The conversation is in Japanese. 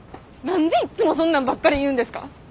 何でいっつもそんなんばっかり言うんですか？